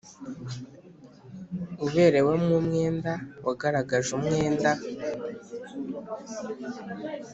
Uberewemo umwenda wagaragaje umwenda